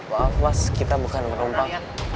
maaf mas kita bukan penumpang